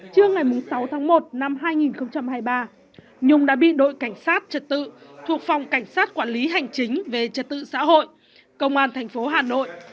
trưa ngày sáu tháng một năm hai nghìn hai mươi ba nhung đã bị đội cảnh sát trật tự thuộc phòng cảnh sát quản lý hành chính về trật tự xã hội công an thành phố hà nội